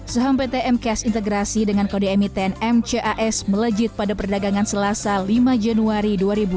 saham pt m k s integrasi dengan kode emiten mcash melejit pada perdagangan selasa lima januari dua ribu dua puluh satu